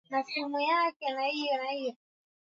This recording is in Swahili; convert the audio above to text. tarehe kumi na nne mwezi wa kumi